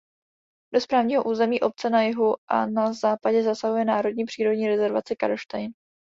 Do správního území obce na jihu a na západě zasahuje národní přírodní rezervace Karlštejn.